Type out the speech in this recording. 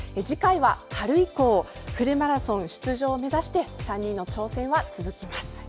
次回は春以降フルマラソン出場を目指して３人の挑戦は続きます！